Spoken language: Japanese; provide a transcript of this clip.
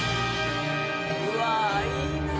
うわあいいなあ。